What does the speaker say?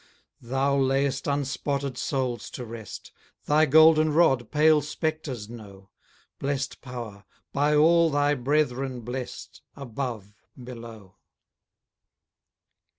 Thou lay'st unspotted souls to rest; Thy golden rod pale spectres know; Blest power! by all thy brethren blest, Above, below!